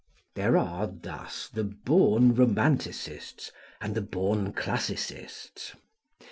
There are, thus, the born romanticists and the born classicists.